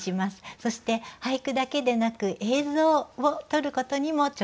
そして俳句だけでなく映像を撮ることにも挑戦してきました。